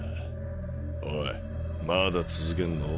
おいまだ続けんの？